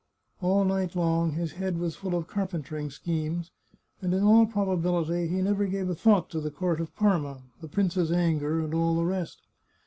All night long his head was full of carpentering schemes, and in all proba bility he never gave a thought to the court of Parma, the prince's anger, and all the rest.